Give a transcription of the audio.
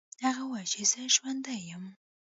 هغه وویل چې زه ژوندی یم.